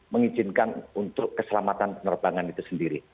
mengizinkan untuk keselamatan penerbangan itu sendiri